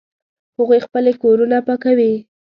هغوی خپلې کورونه پاکوي